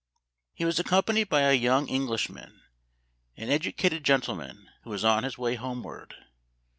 He was accompanied by a young English man, an educated gentleman, who was on his way homeward.